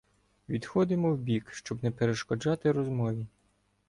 Відходимо вбік, щоб не перешкоджати розмові.